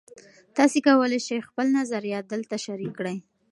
تاسي کولای شئ خپل نظریات دلته شریک کړئ.